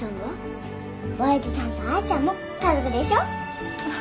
親父さんと彩ちゃんも家族でしょ。